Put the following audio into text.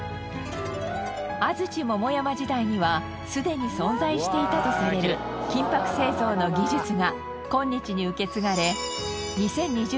安土桃山時代にはすでに存在していたとされる金箔製造の技術が今日に受け継がれ。